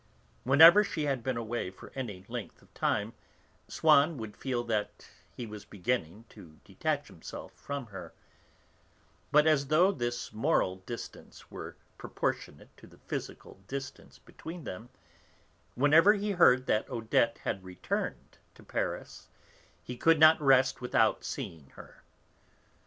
Whenever she had been away for any length of time, Swann would feel that he was beginning to detach himself from her, but, as though this moral distance were proportionate to the physical distance between them, whenever he heard that Odette had returned to Paris, he could not rest without seeing her.